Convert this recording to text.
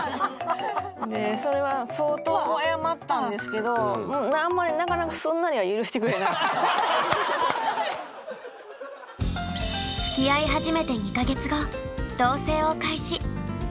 それは相当謝ったんですけどあんまりなかなかつきあい始めて２か月後かわいい！